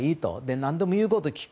何でも言うことを聞く